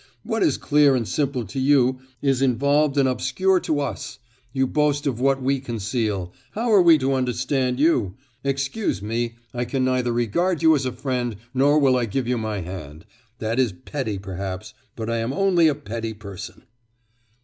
What is clear and simple to you, is involved and obscure to us.... You boast of what we conceal.... How are we to understand you! Excuse me, I can neither regard you as a friend, nor will I give you my hand.... That is petty, perhaps, but I am only a petty person.